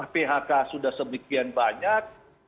phk sudah sebegian banyak